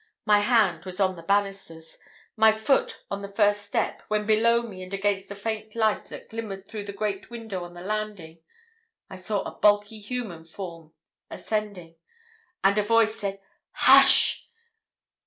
My hand was on the banisters, my foot on the first step, when below me and against the faint light that glimmered through the great window on the landing I saw a bulky human form ascending, and a voice said 'Hush!'